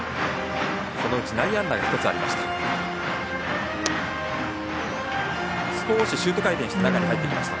そのうち内野安打が１つありました。